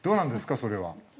それは。